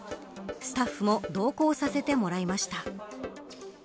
スタッフも同行させてもらいました。